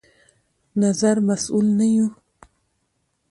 نظر مسوول نه يو